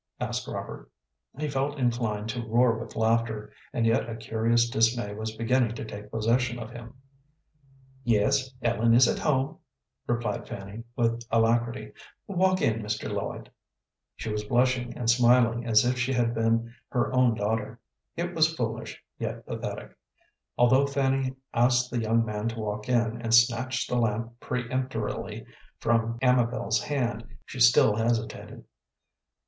asked Robert. He felt inclined to roar with laughter, and yet a curious dismay was beginning to take possession of him. "Yes, Ellen is at home," replied Fanny, with alacrity. "Walk in, Mr. Lloyd." She was blushing and smiling as if she had been her own daughter. It was foolish, yet pathetic. Although Fanny asked the young man to walk in, and snatched the lamp peremptorily from Amabel's hand, she still hesitated.